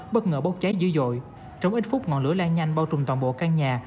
bất ngờ bốc cháy dữ dội trong ít phút ngọn lửa lan nhanh bao trùm toàn bộ căn nhà